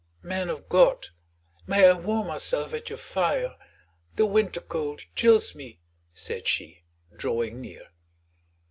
"Men of God, may I warm myself at your fire? The winter cold chills me," said she, drawing near.